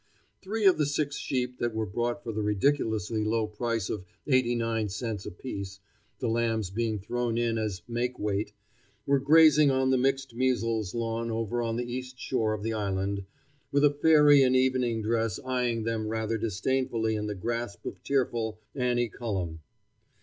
Three of the six sheep that were bought for the ridiculously low price of eighty nine cents apiece, the lambs being thrown in as make weight, were grazing on the mixed measles lawn over on the east shore of the island, with a fairy in evening dress eying them rather disdainfully in the grasp of tearful Annie Cullum.